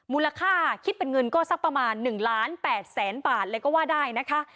มูลค่าคิดเป็นเงินก็สักประมาณ๑ล้าน๘แสนบาทเลยก็ว่าได้นะคะ